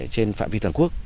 trên phạm vi toàn quốc